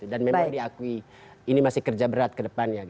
dan memang diakui ini masih kerja berat ke depannya